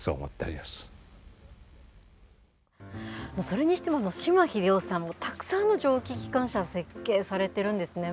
それにしても島秀雄さんもたくさんの蒸気機関車設計されてるんですね